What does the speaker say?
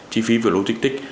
chi phí về lô tích tích